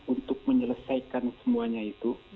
untuk menyelesaikan semuanya itu